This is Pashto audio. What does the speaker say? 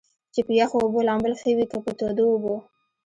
چې پۀ يخو اوبو لامبل ښۀ وي کۀ پۀ تودو اوبو ؟